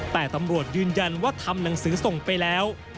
แต่ตำรวจยืนยันว่าทำหนังสือส่งไปแล้ว